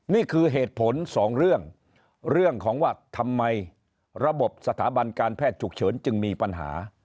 นี่คือเหตุผลสองเรื่องของว่าทำไมระบบสถาบันการแพทย์ฉุกเฉินจึงมีปัญหา